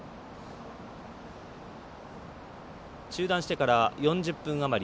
中断してから４０分余り。